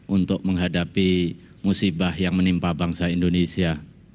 untuk menghadapi musibah yang menimpa bangsa indonesia